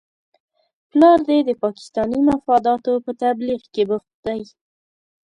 پلار دې د پاکستاني مفاداتو په تبلیغ کې بوخت دی؟